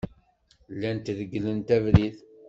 Llant regglent abrid.